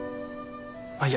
あっいや